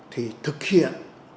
thì thực hiện